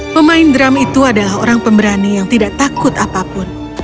pemain drum itu adalah orang pemberani yang tidak takut apapun